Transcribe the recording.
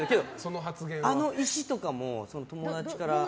あの石とかも友達から。